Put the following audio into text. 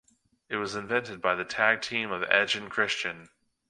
It was invented by the tag team of Edge and Christian.